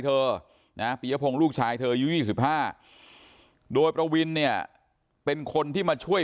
เธอนะปียพงศ์ลูกชายเธออายุ๒๕โดยประวินเนี่ยเป็นคนที่มาช่วย